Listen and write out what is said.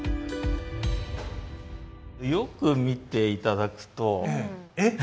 よく見て頂くと。